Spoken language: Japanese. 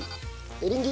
エリンギ。